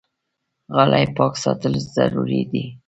غالۍ پاک ساتل ضروري دي.